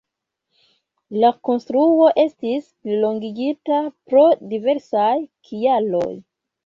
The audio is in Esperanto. La konstruo estis plilongigita pro diversaj kialoj.